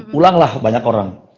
pulanglah banyak orang